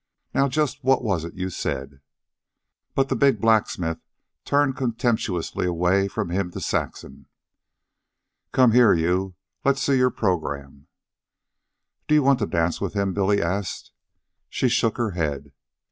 "Now just what was it you said?" But the big blacksmith turned contemptuously away from him to Saxon. "Come here, you. Let's see your program." "Do you want to dance with him?" Billy asked. She shook her head.